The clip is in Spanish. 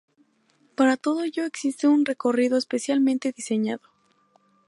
Para todo ello existe un recorrido especialmente diseñado.